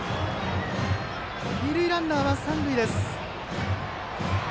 二塁ランナーは三塁です。